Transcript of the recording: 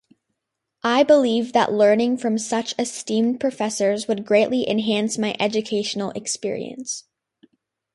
I believe that learning from such esteemed professors would greatly enhance my educational experience.